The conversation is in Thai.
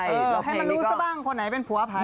เออให้มันรู้ซะบ้างคนไหนเป็นผัวผา